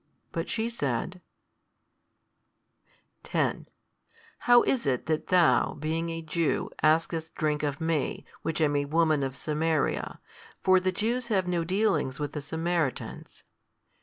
But she said, 10 How is it that Thou, being a Jew, askest drink of me, which am a woman of Samaria? for the Jews have no dealings with the Samaritans.